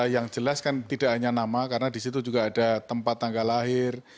yang jelas kan tidak hanya nama karena di situ juga ada tempat tanggal lahir